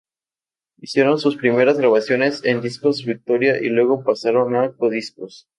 Hicieron sus primeras grabaciones en Discos Victoria y luego pasaron a Codiscos.